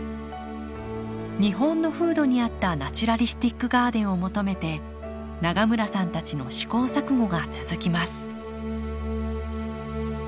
日本の風土に合ったナチュラリスティックガーデンを求めて永村さんたちの試行錯誤が続きます